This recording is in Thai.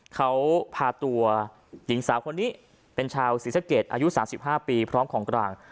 เขาพาตัวหญิงสาวคนนี้เป็นชาวศรีสะเกดอายุ๓๕ปีพร้อมของกลาง